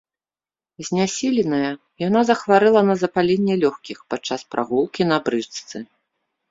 Знясіленая, яна захварэла на запаленне лёгкіх падчас прагулкі на брычцы.